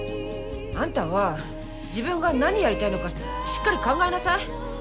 あんたは自分が何やりたいのかしっかり考えなさい。